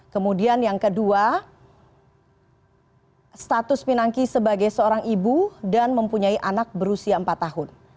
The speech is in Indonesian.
kemudian yang kedua status pinangki sebagai seorang ibu dan mempunyai anak berusia empat tahun